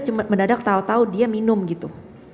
cuman mendadak tau tau dia minum gitu